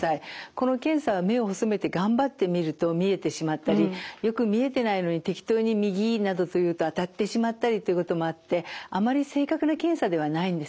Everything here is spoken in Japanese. この検査は目を細めて頑張って見ると見えてしまったりよく見えてないのに適当に「右」などと言うと当たってしまったりということもあってあまり正確な検査ではないんです。